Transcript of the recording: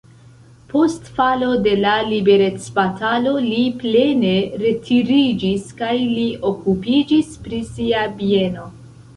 Post falo de la liberecbatalo li plene retiriĝis kaj li okupiĝis pri sia bieno.